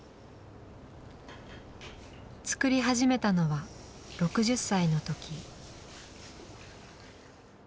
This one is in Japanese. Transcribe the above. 作り始めたのは６０歳の時。